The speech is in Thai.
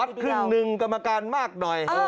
ครึ่งหนึ่งกรรมการมากหน่อย